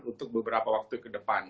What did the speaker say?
untuk beberapa waktu ke depan